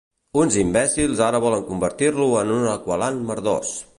Uns imbècils ara volen convertir-lo en un Aqualand merdós!